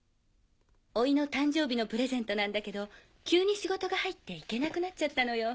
おいの誕生日のプレゼントなんだけど急に仕事が入って行けなくなっちゃったのよ。